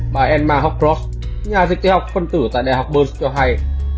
bà emma hawcross nhà dịch tế học phân tử tại đại học berns cho hay